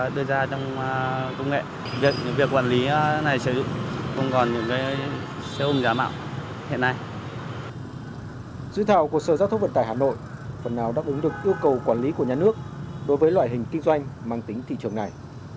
dự thảo của sở giao thông vận tải hà nội phần nào đáp ứng được yêu cầu quản lý của nhà nước đối với loại hình kinh doanh mang tính thị trường này